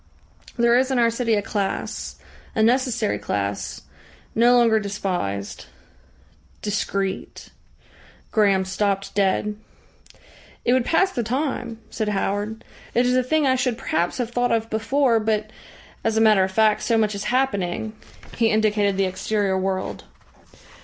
There is in our city a class, a necessary class, no longer despised discreet " Graham stopped dead. "It would pass the time," said Howard. "It is a thing I should perhaps have thought of before, but, as a matter of fact, so much is happening " He indicated the exterior world.